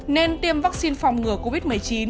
nên tiêm vắc xin phòng ngừa covid một mươi chín